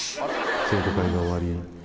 生徒会が終わり